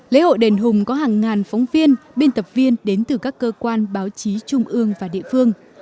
lễ hội đền hùng có hàng ngàn phóng viên biên tập viên đến từ các cơ quan báo chí trung ương và địa phương